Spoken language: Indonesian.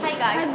aku mau ke rumah